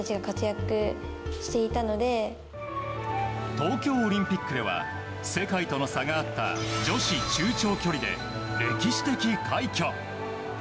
東京オリンピックでは世界との差があった女子中長距離で歴史的快挙。